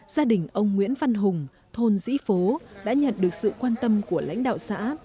gia đình ông nguyễn văn hùng thôn dĩ phố đã nhận được sự quan tâm của lãnh đạo xã